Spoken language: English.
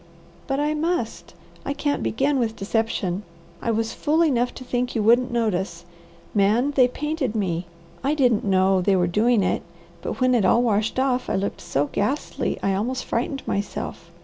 "But I must! I can't begin with deception. I was fool enough to think you wouldn't notice. Man, they painted me! I didn't know they were doing it, but when it all washed off, I looked so ghastly I almost frightened myself.